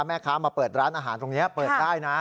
แม่ค้ามาเปิดร้านอาหารตรงนี้เปิดได้นะ